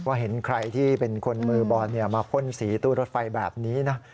เห็นใครที่เป็นคนมือบอลมาพ่นสีตู้รถไฟแบบนี้นะ